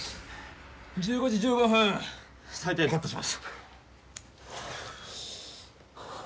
１５時１５分臍帯カットします